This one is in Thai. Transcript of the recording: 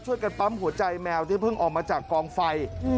ช่วยกันปั๊มหัวใจแมวที่เพิ่งออกมาจากกองไฟ